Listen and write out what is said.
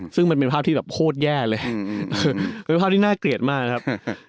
ซึ่งมันเป็นภาพที่แบบโคตรแย่เลยเป็นภาพที่น่าเกลียดมากครับ